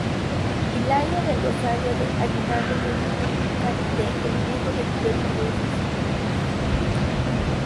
Hilaria del Rosario de Aguinaldo murió en Cavite el Viejo de tuberculosis.